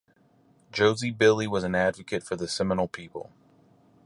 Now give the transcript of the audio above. Josie Billie was an advocate for the Seminole people.